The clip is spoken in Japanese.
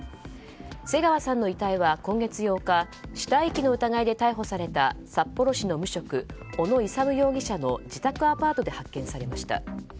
瀬川さんの遺体は今月８日死体遺棄の疑いで逮捕された札幌市の無職、小野勇容疑者の自宅アパートで発見されました。